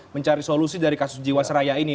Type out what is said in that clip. mencari solusi dari kasus jiwasraya ini